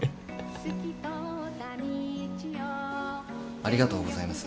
ありがとうございます。